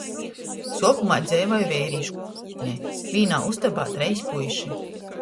Suokumā dzeivoj veirīšu kūpmītnē – vīnā ustobā treis puiši.